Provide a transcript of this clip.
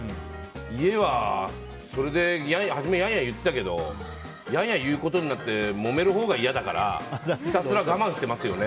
家はそれで初めはやいやい言ってたけどやんや言うことになってもめるほうが嫌だからひたすら我慢してますね。